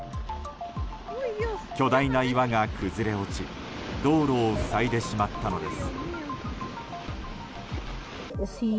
巨大な岩が崩れ落ち道路を塞いでしまったのです。